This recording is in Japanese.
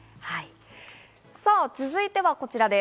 続いてはこちらです。